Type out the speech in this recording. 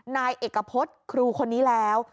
นายเอกพฤษครูคนนี้แล้ว